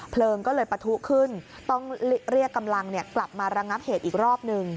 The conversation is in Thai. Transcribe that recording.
เพลิงก็เลยปะทุขึ้นต้องเรียกกำลังกลับมาระงับเหตุอีกรอบหนึ่ง